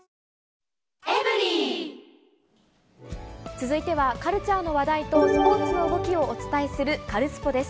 続いてはカルチャーの話題とスポーツを動きをお伝えするカルスポっ！です。